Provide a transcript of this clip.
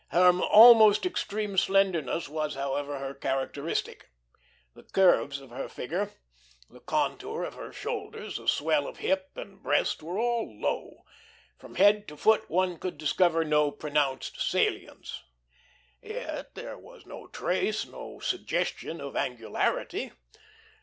Her almost extreme slenderness was, however, her characteristic; the curves of her figure, the contour of her shoulders, the swell of hip and breast were all low; from head to foot one could discover no pronounced salience. Yet there was no trace, no suggestion of angularity.